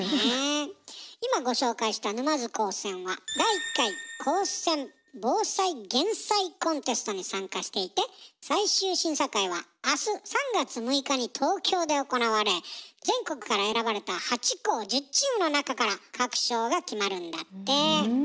今ご紹介した沼津高専は第１回高専防災減災コンテストに参加していて最終審査会は明日３月６日に東京で行われ全国から選ばれた８校１０チームの中から各賞が決まるんだって。